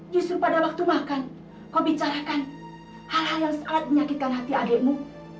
justru pada waktu makan kau bicarakan hal hal yang sangat menyakitkan hati adikmu